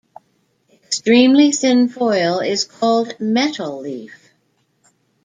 Extremely thin foil is called metal leaf.